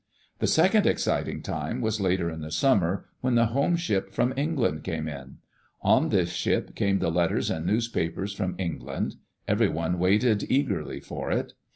The second exciting time was 'later in the summer, when the home ship from England came in. On this ship came the letters and newspapers from England. Everyone waited eagerly for it.